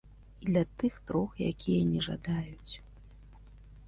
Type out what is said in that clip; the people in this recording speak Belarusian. І для тых трох, якія не жадаюць.